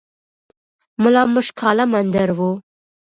ملا مُشک عالَم اندړ وو